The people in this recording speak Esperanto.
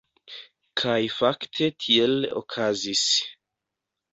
Kaj fakte tiel okazis.